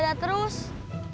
cilok kamu bed